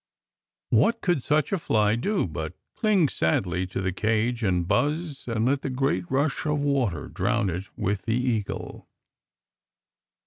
What could such a fly do but cling sadly to the cage and buzz and let the great rush of water drown it with the eagle?